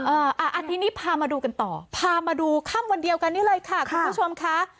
อ่าอาทิตย์นี้พามาดูกันต่อพามาดูค่ำวันเดียวกันนี้เลยค่ะคุณผู้ชมค่ะ